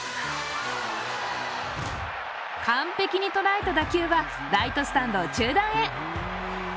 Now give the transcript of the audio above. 完璧に捉えた打球はライトスタンド中段へ。